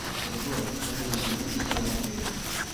yego? ugurisha imiti yarimo amureba